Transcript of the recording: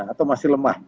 atau masih lemah